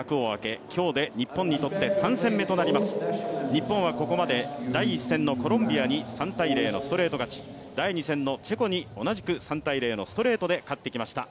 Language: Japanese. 日本はここまで第１戦のコロンビアに３−０のストレート勝ち第２戦のチェコに、同じく３−０のストレートで勝ってきました。